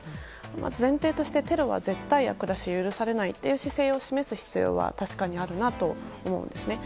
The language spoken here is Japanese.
まず、前提としてテロは絶対悪だし許されないという姿勢を示す必要は確かにあるなと思うんですね。